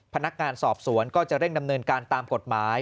พนักงานสอบสวนก็จะเร่งดำเนินการตามกฎหมาย